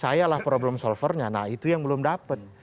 saya lah problem solvernya nah itu yang belum dapat